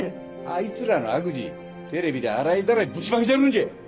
あいつらの悪事テレビで洗いざらいぶちまけちゃるんじゃ！